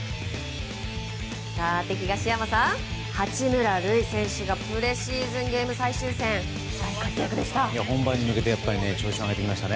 東山さん、八村塁選手がプレシーズンゲーム最終戦大活躍でした。